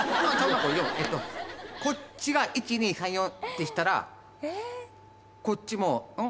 これ４えっとこっちが１２３４ってしたらこっちもうん？